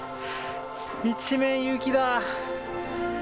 一面雪だ。